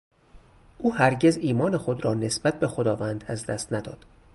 او هرگز ایمان خود را نسبت به خداوند از دست نداد.